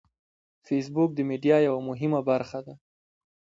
فېسبوک د میډیا یوه مهمه برخه ده